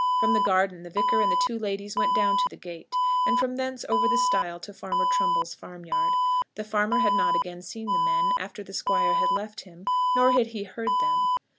From the garden the Vicar and the two ladies went down to the gate, and from thence over the stile to Farmer Trumbull's farmyard. The farmer had not again seen the men, after the Squire had left him, nor had he heard them.